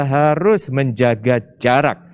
harus menjaga jarak